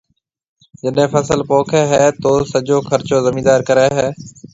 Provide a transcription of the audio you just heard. جڏَي فصل پوکيَ ھيََََ تو سجو خرچو زميندار ڪرَي ھيََََ